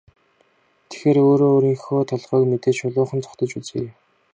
Тэгэхээр өөрөө өөрийнхөө толгойг мэдээд шулуухан зугтаж үзье.